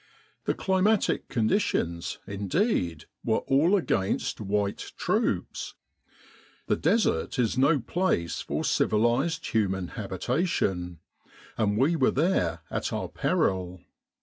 The climatic conditions, indeed, were all against white troops. The Desert is no place for civilised 126 El Arish Maghdaba Rafa human habitation, and we were there at our peril.